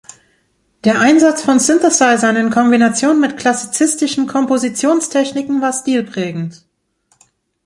Der Einsatz von Synthesizern in Kombination mit klassizistischen Kompositionstechniken war stilprägend.